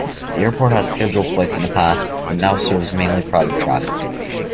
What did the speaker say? The airport had scheduled flights in the past, but now serves mainly private traffic.